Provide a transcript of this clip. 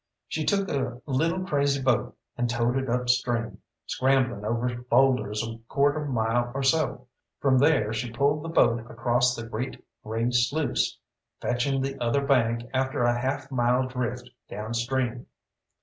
She took a little crazy boat and towed it upstream, scrambling over boulders a quarter mile or so. From there she pulled the boat across the great grey sluice, fetching the other bank after a half mile drift downstream.